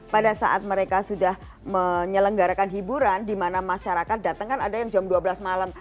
pada saat mereka sudah menyelenggarakan hiburan di mana masyarakat datang kan ada yang jam dua belas malam